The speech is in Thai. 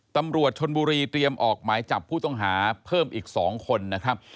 ตำรวจชนบุรีเตรียมออกหมายจับผู้ต้องหาเพิ่มอีก๒คนนะครับ